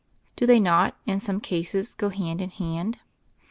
Do they not, in some cases, go hand in hand?